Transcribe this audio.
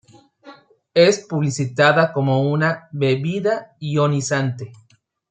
Es publicitada como una "bebida ionizante".